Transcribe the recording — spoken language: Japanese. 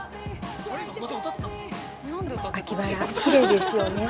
◆秋バラ、きれいですよね。